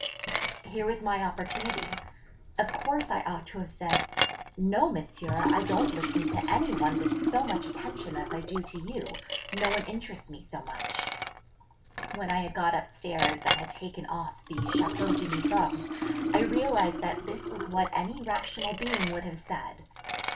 Here was my opportunity; of course I ought to have said, 'No, Monsieur, I don't listen to any one with so much attention as I do to you: no one interests me so much.' When I had got upstairs and had taken off the chapeau d'uniforme, I realised that this was what any rational being would have said.